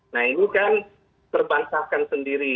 nah ini kan terbantahkan sendiri